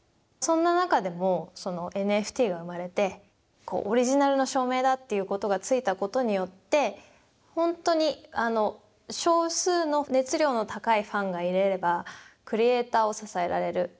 そんな中でもＮＦＴが生まれてオリジナルの証明だっていうことがついたことによって本当に少数の熱量の高いファンがいればクリエーターを支えられる。